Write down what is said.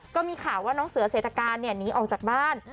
ก็มีข่าวว่าน้องเสือเศรษฐการหนีออกจากบ้าน